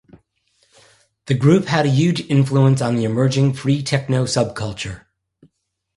The group had a huge influence on the emerging free tekno subculture.